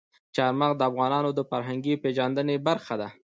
چار مغز د افغانانو د فرهنګي پیژندنې برخه ده.